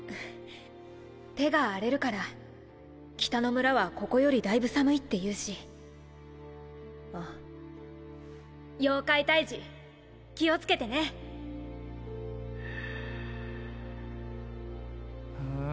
手が荒れるから北の村はここよりだいぶ寒いっていうああ妖怪退治気をつけてねふん。